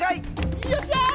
よっしゃ！